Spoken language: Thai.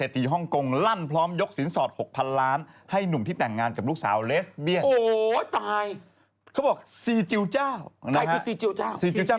ธุรกิจหมื่นล้านชาวฮ่องกรงพูดเหมือนรู้จักเขาด้วยซีซิวเจ้า